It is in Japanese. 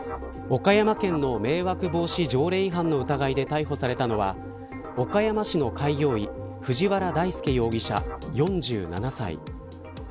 岡山県の迷惑防止条例違反の疑いで逮捕されたのは岡山市の開業医藤原大輔容疑者、４７歳。